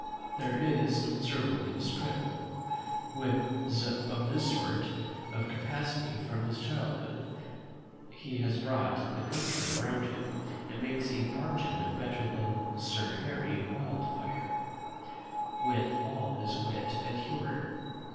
There is Sir William Scrip was of this sort of capacity from his childhood; he has brought the country round him, and makes a bargain better than Sir Harry Wildfire, with all his wit and humour.